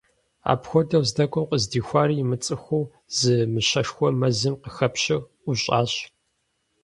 Апхуэдэу здэкӏуэм къыздихуари имыцӏыхуу, зы мыщэшхуэ мэзым къыхэпщу ӏущӏащ.